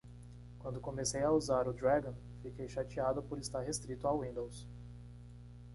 Quando comecei a usar o Dragon?, fiquei chateado por estar restrito ao Windows.